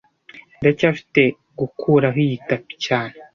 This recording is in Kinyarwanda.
Ndacyafite gukuraho iyi tapi cyane